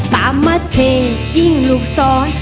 ตามเมาเช่งอิ่งลูกซอน